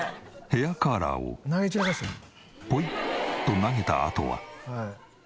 ヘアカーラーをポイッと投げたあとは。